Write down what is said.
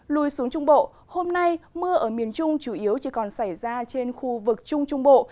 lùi xuống trung bộ hôm nay mưa ở miền trung chủ yếu chỉ còn xảy ra trên khu vực trung trung bộ